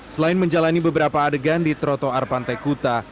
selain menjalani beberapa adegan di trotoar pantai kuta